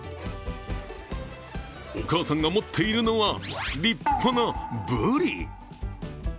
お母さんが持っているのは、立派なぶり。